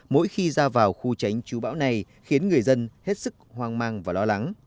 mỗi khi ra vào khu tránh chú bão này khiến người dân hết sức hoang mang và lo lắng